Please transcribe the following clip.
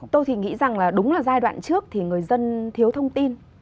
tôi thì nghĩ rằng là đúng là giai đoạn trước thì người dân thiếu thông tin